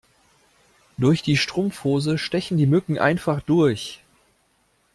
Durch die Strumpfhose stechen die Mücken einfach durch.